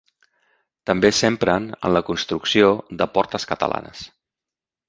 També s'empren en la construcció de portes catalanes.